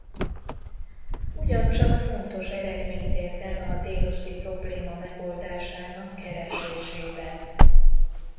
Ugyancsak fontos eredményt ért el a déloszi probléma megoldásának keresésében.